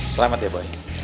selamat ya boy